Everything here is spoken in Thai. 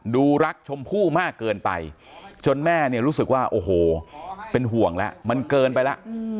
ดูรักชมพู่มากเกินไปจนแม่เนี่ยรู้สึกว่าโอ้โหเป็นห่วงแล้วมันเกินไปแล้ว